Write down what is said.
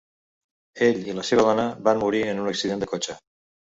Ell i la seva dona van morir en un accident de cotxe.